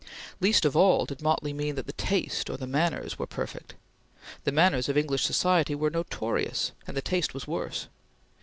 Least of all did Motley mean that the taste or the manners were perfect. The manners of English society were notorious, and the taste was worse.